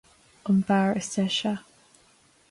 An beár is deise.